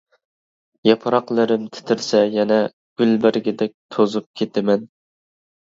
ياپراقلىرىم تىترىسە يەنە، گۈل بەرگىدەك توزۇپ كېتىمەن.